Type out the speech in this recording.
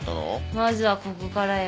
まずはここからよ。